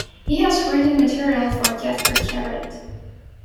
He has written material for Jasper Carrot.